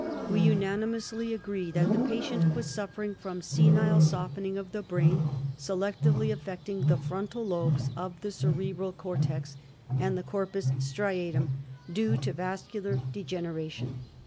We unanimously agree that the patient was suffering from: Senile softening of the brain, selectively affecting the frontal lobes of the cerebral cortex and the corpus striatum, due to vascular degeneration.